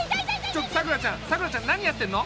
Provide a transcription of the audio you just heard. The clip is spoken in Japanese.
ちょっとさくらちゃんさくらちゃん何やってんの？